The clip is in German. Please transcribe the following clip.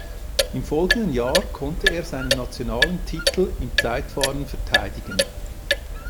Im folgenden Jahr konnte er seinen nationalen Titel im Zeitfahren verteidigen.